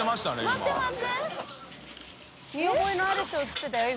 見覚えのある人映ってたよ